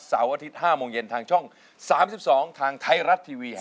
เสาร์อาทิตย์๕โมงเย็นทางช่อง๓๒ทางไทยรัฐทีวีแห่งเวย์